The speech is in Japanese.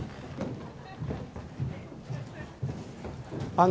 あの。